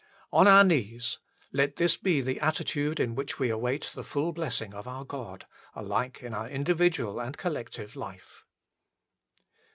On our knees : let this be the attitude in which we await the full blessing of our God, alike in our individual and collective life.